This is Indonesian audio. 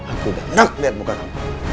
aku udah nangk biar muka kamu